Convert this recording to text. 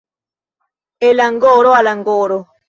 El angoro al angoro.